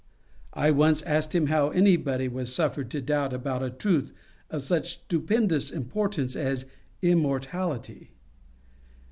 I once asked him how anybody was suffered to doubt about a truth of such stupendous importance as immortality.